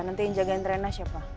nanti jagain tren nya siapa